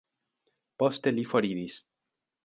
Poste li foriris.